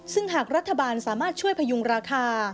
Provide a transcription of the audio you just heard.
ซึ่งหากรัฐบาลสามารถช่วยพยุงราคา